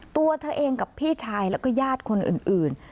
ตัวเธอเองกับพี่ชายแล้วก็ญาติคนอื่น